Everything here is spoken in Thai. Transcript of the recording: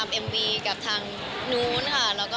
ก็สงสัยมาก